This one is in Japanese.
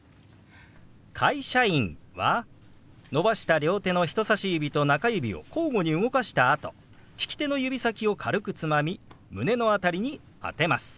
「会社員」は伸ばした両手の人さし指と中指を交互に動かしたあと利き手の指先を軽くつまみ胸の辺りに当てます。